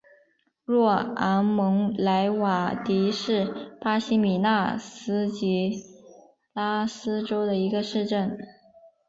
若昂蒙莱瓦迪是巴西米纳斯吉拉斯州的一个市镇。